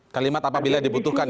kalimat apabila dibutuhkan